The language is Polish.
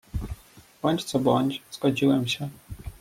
"Bądź co bądź, zgodziłem się."